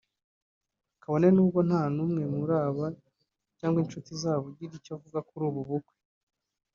kabone nubwo nta numwe muri aba cyangwa inshuti zabo uragira icyo avuga kuri ubu bukwe